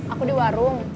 aku di warung